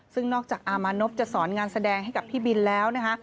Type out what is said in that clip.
ซึ่งนอกจากอามานพจะสอนงานแสดงให้กับพี่บินแล้วนะคะ